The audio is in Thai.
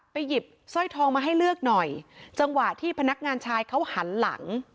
หยิบสร้อยทองมาให้เลือกหน่อยจังหวะที่พนักงานชายเขาหันหลัง